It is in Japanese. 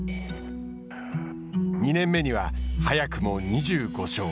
２年目には早くも２５勝。